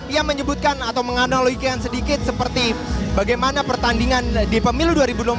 ia menyebutkan atau menganalogikan sedikit seperti bagaimana pertandingan di pemilu dua ribu dua puluh empat